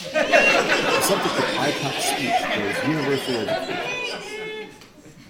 The subject of Aycock's speech was 'Universal Education'.